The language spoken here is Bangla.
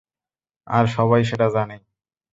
আর সবাই সেটা জানে।